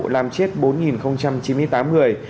làm chết bốn chín mươi tám người